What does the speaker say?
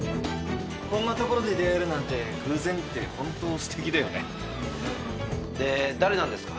こんな所で出会えるなんて偶然って本当すてきだよねで誰なんですか？